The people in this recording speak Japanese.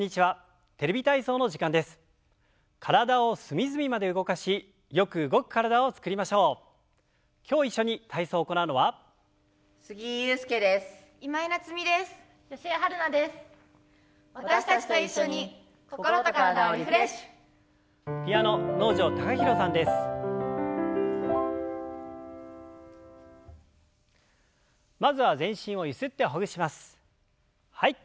はい。